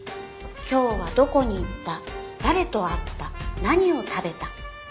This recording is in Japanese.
今日はどこに行った誰と会った何を食べた。